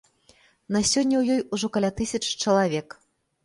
На сёння ў ёй ужо каля тысячы чалавек.